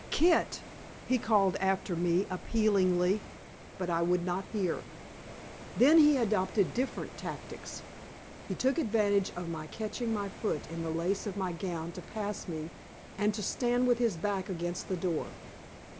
"Kit!" he called after me appealingly, but I would not hear. Then he adopted different tactics. He took advantage of my catching my foot in the lace of my gown to pass me, and to stand with his back against the door.